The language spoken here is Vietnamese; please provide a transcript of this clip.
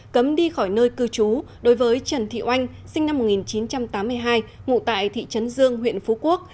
cấm đi khỏi nơi cư trú đối với trần thị oanh sinh năm một nghìn chín trăm tám mươi hai ngụ tại thị trấn dương huyện phú quốc